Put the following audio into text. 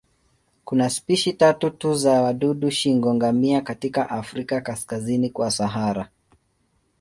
Kuna spishi tatu tu za wadudu shingo-ngamia katika Afrika kaskazini kwa Sahara.